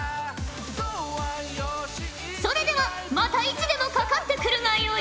それではまたいつでもかかってくるがよい！